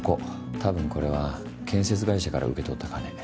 多分これは建設会社から受け取った金。